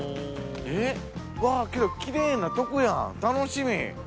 うわけどきれいなとこやん楽しみ。